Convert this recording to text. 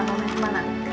kemana mama kemana